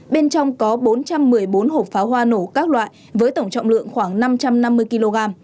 bên trong có bốn trăm một mươi bốn hộp pháo hoa nổ các loại với tổng trọng lượng khoảng năm trăm năm mươi kg